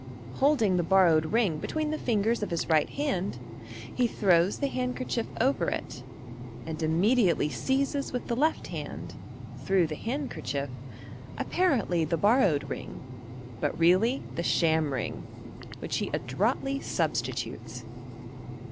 Holding the borrowed ring between the fingers of his right hand, he throws the handkerchief over it, and immediately seizes with the left hand, through the handkerchief, apparently the borrowed ring, but really the sham ring, which he «droitiy substitutes.